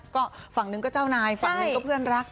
ก็ฝั่งหนึ่งก็เจ้านายฝั่งหนึ่งก็เพื่อนรัก